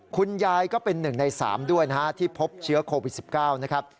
คุณยายก็เป็น๑ใน๓ด้วยนะฮะที่พบเชื้อโควิด๑๙นะครับ